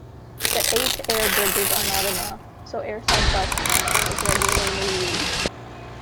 The eight air bridges are not enough, so airside bus transfer is regularly used.